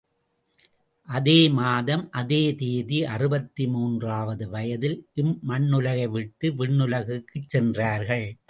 அதே மாதம், அதே தேதி, அறுபத்து மூன்றாவது வயதில் இம்மண்ணுலகைவிட்டு, விண்ணுலகுக்குச் சென்றார்கள்.